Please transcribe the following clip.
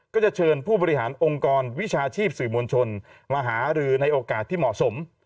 ก็จะเชิญผู้บริหารองค์กรวิชาชีพสื่อมวลชนมาหารือในโอกาสที่เหมาะสม